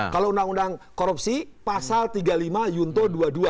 kalau undang undang korupsi pasal tiga puluh lima yunto dua puluh dua